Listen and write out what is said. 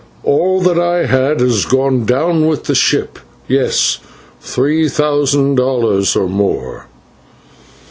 "All that I had has gone down with the ship, yes, three thousand dollars or more."